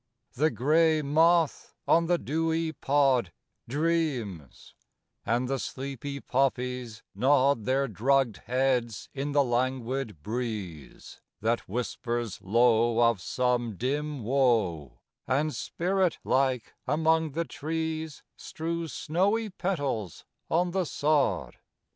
II The gray moth on the dewy pod Dreams; and the sleepy poppies nod Their drugged heads in the languid breeze, That whispers low Of some dim woe, And spirit like among the trees, Strews snowy petals on the sod.